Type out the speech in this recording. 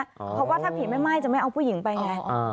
เพราะว่าถ้าผีไม่ไหม้จะไม่เอาผู้หญิงไปไง